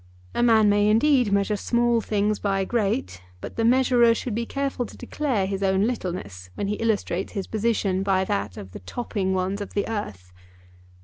A man may indeed measure small things by great, but the measurer should be careful to declare his own littleness when he illustrates his position by that of the topping ones of the earth.